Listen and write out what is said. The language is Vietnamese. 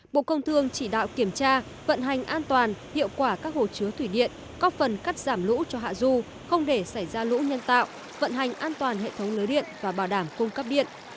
bộ công thương chỉ đạo kiểm tra vận hành an toàn hiệu quả các hồ chứa thủy điện có phần cắt giảm lũ cho hạ du không để xảy ra lũ nhân tạo vận hành an toàn hệ thống lưới điện và bảo đảm cung cấp điện